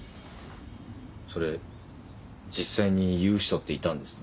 それ実際に言う人っていたんですね。